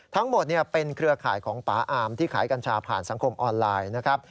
ทั้งหมดเป็นเครือข่ายของป๊าอามที่ขายกัญชาผ่านสังคมออนไลน์นะครับ